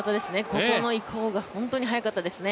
ここの移行が本当に速かったですね。